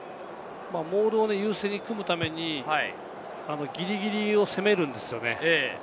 モールを優先に組むためにギリギリを攻めるんですよね。